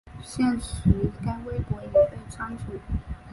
现时该微博已被删除。